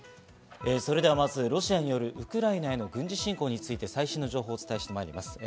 まず、ロシアによるウクライナへの軍事侵攻について最新の情報をお伝えします。